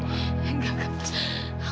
enggak kak fadil